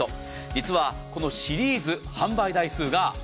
実はこのシリーズ、販売台数が。